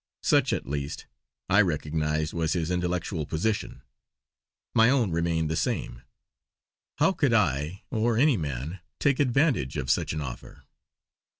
Such, at least, I recognised was his intellectual position; my own remained the same. How could I, or any man, take advantage of such an offer.